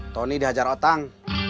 tony dihajar otang